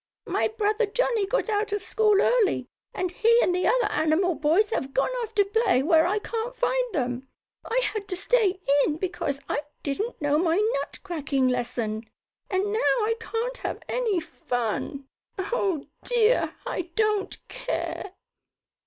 "My brother Johnnie got out of school early, and he and the other animal boys have gone off to play where I can't find them. I had to stay in, because I didn't know my nut cracking lesson, and now I can't have any fun. Oh, dear! I don't care!"